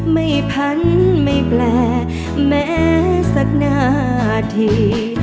พันไม่แปลแม้สักนาที